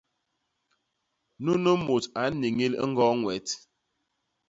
Nunu mut a nniñil i ñgoo Ñwet.